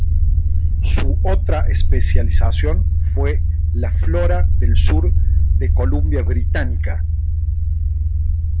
Su otra especialización fue la flora del sur de Columbia Británica.